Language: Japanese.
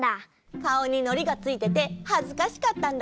かおにのりがついててはずかしかったんだね。